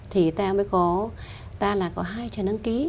thì ta mới có ta là có hai trường đăng ký